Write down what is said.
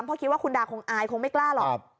เพราะคิดว่าคุณดาคงอายคงไม่กล้าหรอก